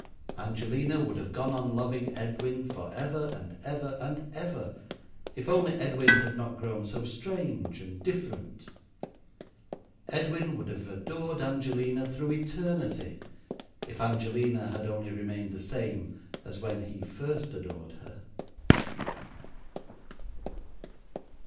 Angelina would have gone on loving Edwin forever and ever and ever if only Edwin had not grown so strange and different. Edwin would have adored Angelina through eternity if Angelina had only remained the same as when he first adored her.